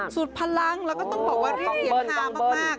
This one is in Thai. สุดพลังแล้วก็ต้องบอกว่าเป็นฮามาก